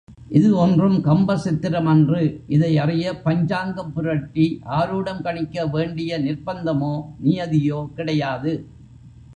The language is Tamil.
இது ஒன்றும் கம்பசித்திரம் அன்று இதை அறிய பஞ்சாங்கம் புரட்டி ஆரூடம் கணிக்கவேண்டிய நிர்ப்பந்தமோ, நியதியோ கிடையாது.